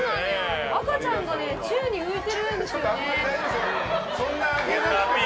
赤ちゃんが宙に浮いてるんですよね。